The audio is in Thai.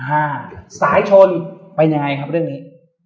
อ่าสายชนไปยังไงครับเรื่องนี้